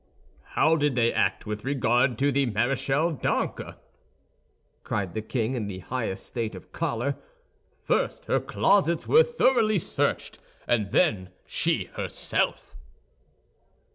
"How did they act with regard to the Maréchale d'Ancre?" cried the king, in the highest state of choler; "first her closets were thoroughly searched, and then she herself."